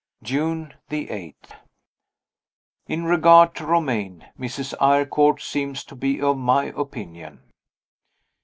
June 8. In regard to Romayne, Mrs. Eyrecourt seems to be of my opinion.